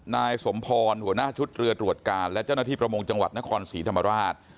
นายสมพรหัวหน้าชุดเรือตรวจการและเจ้าหน้าที่ประมงจังหวัดนครศรีธรรมราช